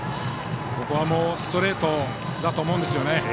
ここはストレートだと思うんですね。